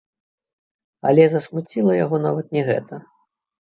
Але засмуціла яго нават не гэта.